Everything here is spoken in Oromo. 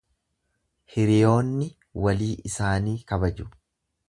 Hiriyoonni walii isaanii kabaju.